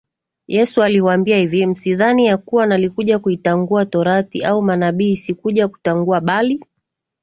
Yesu aliwaambia hivi Msidhani ya kuwa nalikuja kuitangua torati au manabii sikuja kutangua bali